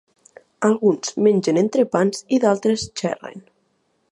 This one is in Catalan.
Alguns mengen entrepans i d'altres xerren.